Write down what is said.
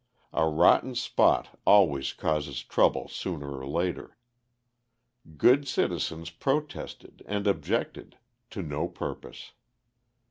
A rotten spot always causes trouble sooner or later. Good citizens protested and objected to no purpose.